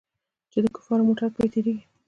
چې د کفارو موټران پر تېرېږي.